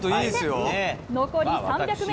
残り３００ｍ。